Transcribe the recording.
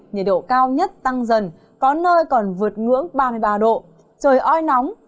nhiệt độ cao nhất tăng dần có nơi còn vượt ngưỡng ba mươi ba độ trời oi nóng